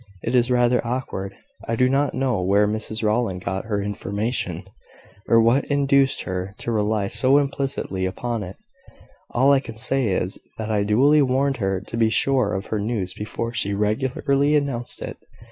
It is rather awkward. I do not know where Mrs Rowland got her information, or what induced her to rely so implicitly upon it. All I can say is, that I duly warned her to be sure of her news before she regularly announced it.